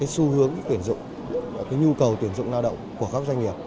xu hướng tuyển dụng nhu cầu tuyển dụng lao động của các doanh nghiệp